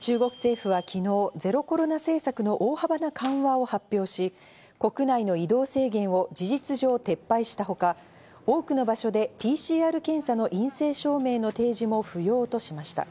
中国政府は昨日、ゼロコロナ政策の大幅な緩和を発表し、国内の移動制限を事実上撤廃したほか、多くの場所でＰＣＲ検査の陰性証明の提示も不要としました。